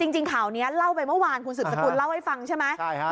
จริงข่าวนี้เล่าไปเมื่อวานคุณสืบสกุลเล่าให้ฟังใช่ไหม